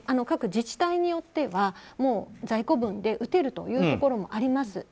各自治体によっては在庫分で打てるところもあります。